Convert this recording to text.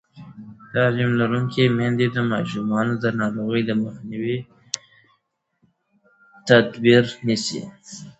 تعلیم لرونکې میندې د ماشومانو د ناروغۍ مخکینی تدبیر نیسي.